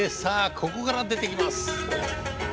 ここから出てきます。